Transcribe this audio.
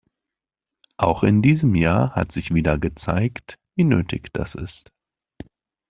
Auch in diesem Jahr hat sich wieder gezeigt, wie nötig das ist.